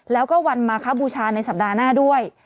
แล้วก็วันมาคบูชาในสัปดาห์หน้าด้วย